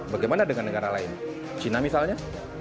bagaimana dengan negara lain china misalnya